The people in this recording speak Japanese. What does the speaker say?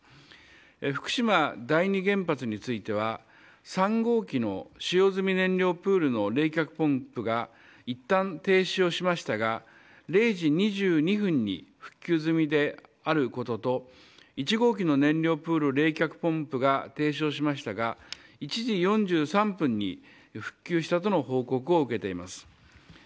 福島第二原発については３号機の使用済み燃料プールの冷却ポンプがいったん停止をしましたが０時２２分に復旧済みであることと１号機の燃料プール冷却ポンプが停止をしましたが１時４３分に復旧したとの報告を受けています。